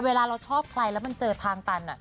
เวลาเราชอบใครแล้วมันเจอทางตัน